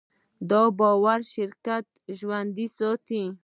دا باور شرکت ژوندی ساتي.